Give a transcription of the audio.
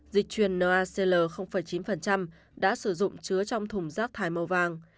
dịch truyền nacl chín đã sử dụng chứa trong thùng rác thải màu vàng